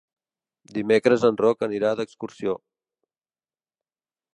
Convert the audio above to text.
Dimecres en Roc anirà d'excursió.